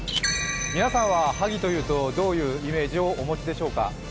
皆さんは萩というとどういうイメージをお持ちでしょうか？